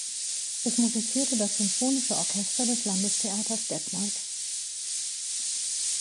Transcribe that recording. Es musizierte das Symphonische Orchester des Landestheaters Detmold.